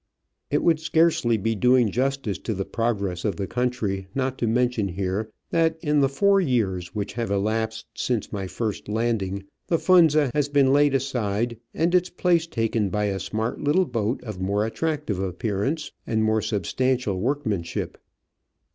It would scarcely be doing justice to the progress of the country not to mention here that, in the four years which have elapsed since my first landing, the Funza has been laid aside and its place taken by a smart little boat of more attractive appearance and more substantial workmanship.